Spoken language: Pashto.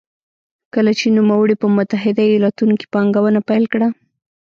کله چې نوموړي په متحده ایالتونو کې پانګونه پیل کړه.